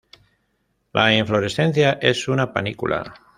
La inflorescencia es una panícula.